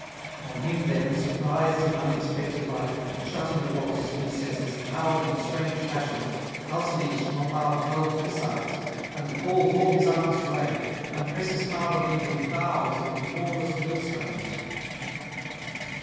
On him then, surprised in unexpected light, shut in the rock's recesses and howling in strange fashion, Alcides from above hurls missiles and calls all his arms to aid, and presses hard on him with boughs and enormous millstones.